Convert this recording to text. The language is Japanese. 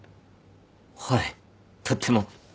はいとっても。